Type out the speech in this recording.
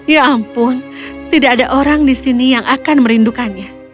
ya ampun tidak ada orang di sini yang akan merindukannya